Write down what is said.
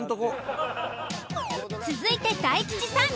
続いて大吉さん。